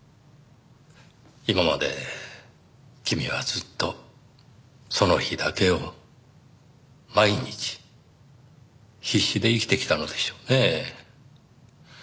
今まで君はずっとその日だけを毎日必死で生きてきたのでしょうね。